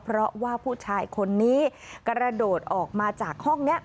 เพราะว่าผู้ชายคนนี้กระโดดออกมาจากห้องนี้